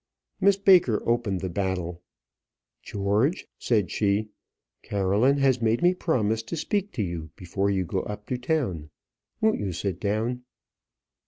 Miss Baker opened the battle. "George," said she, "Caroline has made me promise to speak to you before you go up to town. Won't you sit down?"